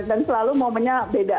dan selalu momennya beda